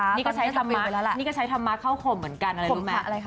อันนี้ก็ใช้ธรรมะเข้าข่มเหมือนกันอะไรรู้ไหม